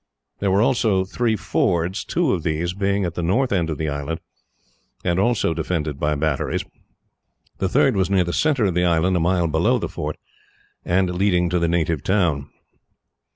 There were also three fords, two of these being at the north end of the island, and also defended by batteries; the third was near the centre of the island, a mile below the fort, and leading to the native town.